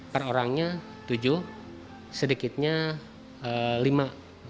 per orangnya tujuh sedikitnya lima